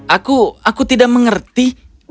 aku aku tidak mengerti